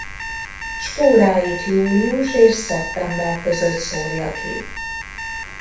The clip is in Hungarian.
Spóráit július és szeptember között szórja ki.